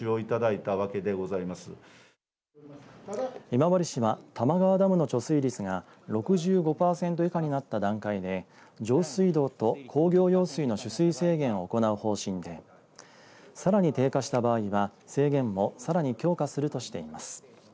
今治市は、玉川ダムの貯水率が６５パーセント以下になった段階で上水道と工業用水の取水制限を行う方針でさらに低下した場合は制限をさらに強化するとしています。